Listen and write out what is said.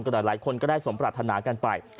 หลายคนก็ได้สมปรารถนากันไป